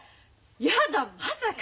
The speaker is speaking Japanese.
やだまさか。